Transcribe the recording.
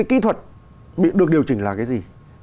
kỹ thuật được điều chỉnh là cái gì